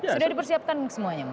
sudah dipersiapkan semuanya